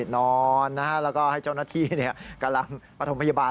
นอนนะฮะแล้วก็ให้เจ้าหน้าที่กระลำปฐมพยาบาล